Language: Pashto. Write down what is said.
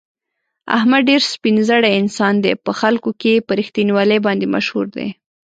احمد ډېر سپین زړی انسان دی، په خلکو کې په رښتینولي باندې مشهور دی.